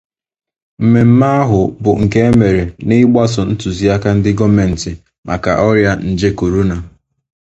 Mmemme ahụ bụ nke e mere n'ịgbasò ntụziaka ahụ gọọmenti maka ọrịa nje korona